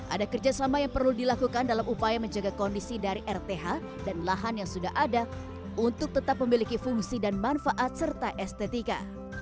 ada kerjasama yang perlu dilakukan dalam upaya menjaga kondisi dari rth dan lahan yang sudah ada untuk tetap memiliki fungsi dan manfaat serta estetika